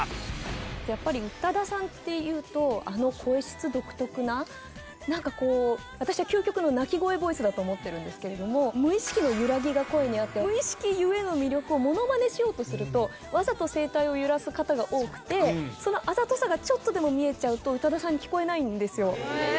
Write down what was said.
やっぱり宇多田さんっていうとあの声質独特な何かこう私はだと思ってるんですけれども無意識のゆらぎが声にあって無意識ゆえの魅力をモノマネしようとするとわざと声帯を揺らす方が多くてそのあざとさがちょっとでも見えちゃうと宇多田さんにきこえないんですよへえ